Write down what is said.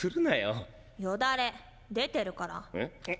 よだれ出てるから。